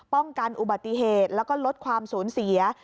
กันอุบัติเหตุแล้วก็ลดความสูญเสีย